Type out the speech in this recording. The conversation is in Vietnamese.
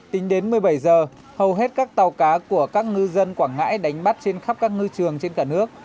tính đến một mươi bảy h hầu hết các tàu cá của các ngư dân quảng ngãi đánh bắt trên khắp các ngư trường trên cả nước